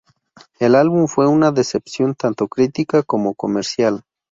El álbum fue una decepción tanto crítica como comercial.